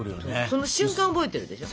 その瞬間覚えてるでしょ？